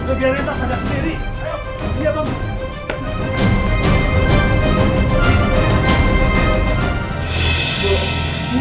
biar kita ada sendiri